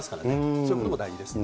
そういうことも大事です。